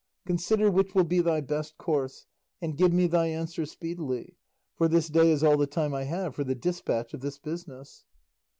Consider which will be thy best course, and give me thy answer speedily, for this day is all the time I have for the despatch of this business."